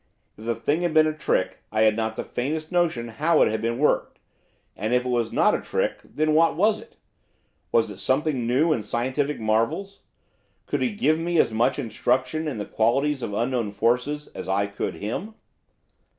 If the thing had been a trick, I had not the faintest notion how it had been worked; and, if it was not a trick, then what was it? Was it something new in scientific marvels? Could he give me as much instruction in the qualities of unknown forces as I could him?